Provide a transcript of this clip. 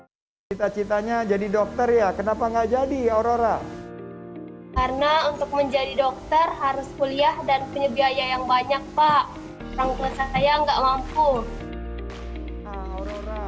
menjadi dokter harus kuliah dan punya biaya yang banyak pak rangkulah saya nggak mampu